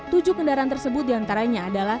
tujuh kendaraan tersebut diantaranya adalah